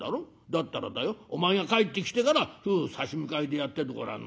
だったらだよお前が帰ってきてから夫婦差し向かいでやっててごらん。